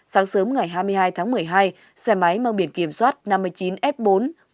sáng sớm ngày hai mươi hai tháng một mươi hai xe máy mang biển kiểm soát năm mươi chín s bốn một b một